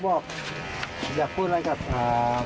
เด็กดูข้างนี้สิลูก